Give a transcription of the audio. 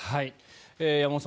山本さん